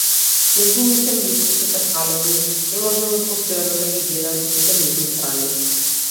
Нејзините мисли се тркалезни, не можеме постојано да ги гледаме сите нивни страни.